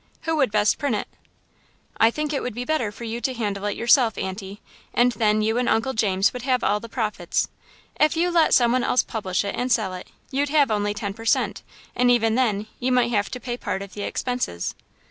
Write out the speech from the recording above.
"Who would best print it?" "I think it would be better for you to handle it yourself, Aunty, and then you and Uncle James would have all the profits. If you let some one else publish it and sell it, you'd have only ten per cent, and even then, you might have to pay part of the expenses."